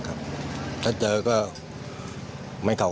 กลัวโดนตีอ้าวหลวงตีอ้าว